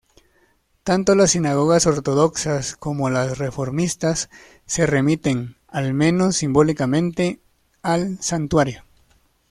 Tanto las sinagogas ortodoxas como las reformistas se remiten, al menos simbólicamente, al santuario.